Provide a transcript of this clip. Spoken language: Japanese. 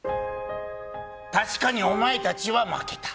確かにお前たちは負けた。